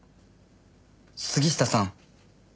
杉下さん。